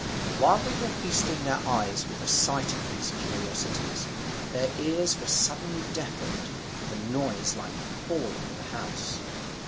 While they were feasting their eyes with a sight of these curiosities, their ears were suddenly deafened with a noise like the falling of a house.